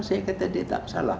saya kata dia tidak bersalah